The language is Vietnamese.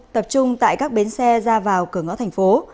tập trung tại các bến xe ra vào cửa ngõ thành phố